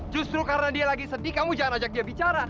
justru karena dia lagi sedih kamu jangan ajak dia bicara